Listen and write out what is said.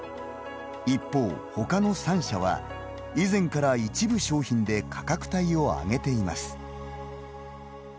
一方、ほかの３社は以前から一部商品で価格帯を上げています。